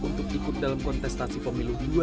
untuk ikut dalam kontestasi pemilu dua ribu dua puluh